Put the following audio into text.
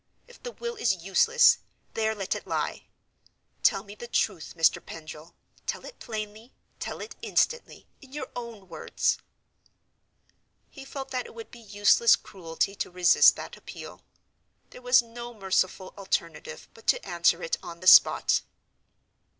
If the will is useless, there let it lie. Tell me the truth, Mr. Pendril—tell it plainly, tell it instantly, in your own words!" He felt that it would be useless cruelty to resist that appeal. There was no merciful alternative but to answer it on the spot.